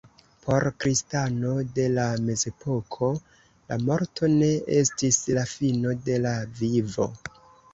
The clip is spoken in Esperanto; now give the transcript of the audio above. Por kristano de la mezepoko la morto ne estis la fino de la vivo.